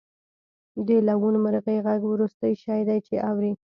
د لوون مرغۍ غږ وروستی شی دی چې اورئ